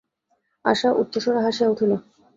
আশা উচ্চৈঃস্বরে হাসিয়া উঠিল।